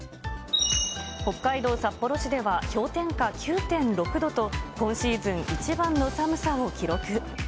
北海道札幌市では氷点下９．６度と、今シーズン一番の寒さを記録。